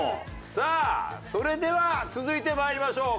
さあそれでは続いて参りましょう。